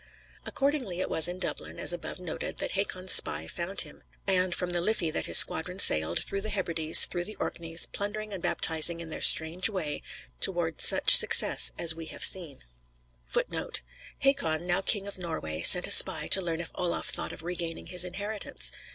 Accordingly it was in Dublin, as above noted, that Hakon's spy found him; and from the Liffey that his squadron sailed, through the Hebrides, through the Orkneys, plundering and baptizing in their strange way, toward such success as we have seen. [Footnote 11: Hakon, now King of Norway, sent a spy to learn if Olaf thought of regaining his inheritance.